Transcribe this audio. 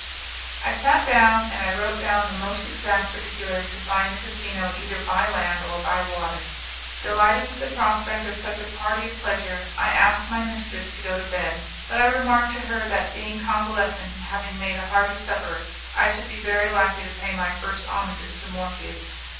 I sat down and I wrote down the most exact particulars to find the casino either by land or by water. Delighted with the prospect of such a party of pleasure, I asked my mistress to go to bed, but I remarked to her that, being convalescent and having made a hearty supper, I should be very likely to pay my first homages to Morpheus.